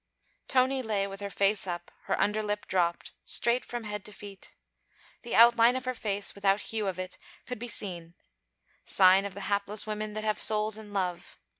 Tony lay with her face up, her underlip dropped; straight from head to feet. The outline of her face, without hue of it, could be seen: sign of the hapless women that have souls in love.